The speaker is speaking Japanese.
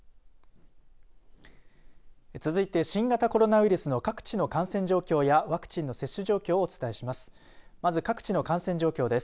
続いて、新型コロナウイルスの各地の感染状況やワクチンの接種状況をお伝えします。